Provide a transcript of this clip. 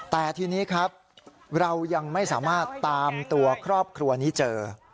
แต่ทีนี้ครับเรายังไม่สามารถตามตัวครอบครัวนี้เจอ